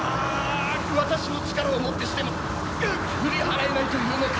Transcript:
私の力をもってしても振り払えないというのか！